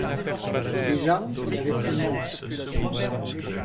Déjà il avait pris Mantes.